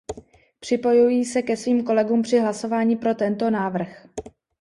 Připojuji se ke svým kolegům při hlasování pro tento návrh.